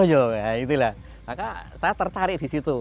maka saya tertarik di situ